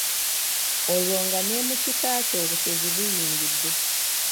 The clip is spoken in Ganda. Olwo nga ne mu kika kyo obusezi buyingidde.